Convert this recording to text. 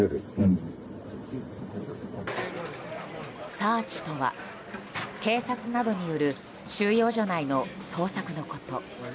サーチとは警察などによる収容所内の捜索のこと。